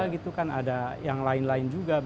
gitu kan ada yang lain lain juga